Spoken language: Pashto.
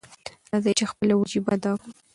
راځئ چې خپله وجیبه ادا کړو.